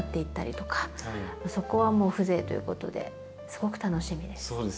そこはもう風情ということですごく楽しみです。